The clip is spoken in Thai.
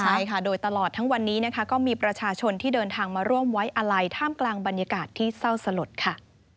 ใช่ค่ะโดยตลอดทั้งวันนี้นะคะก็มีประชาชนที่เดินทางมาร่วมไว้อาลัยท่ามกลางบรรยากาศที่เศร้าสลดค่ะ